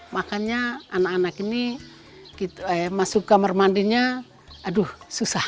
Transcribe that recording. makanya anak anak ini masuk kamar mandinya aduh susah